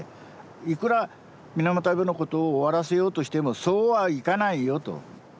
いくら水俣病のことを終わらせようとしてもそうはいかないよと。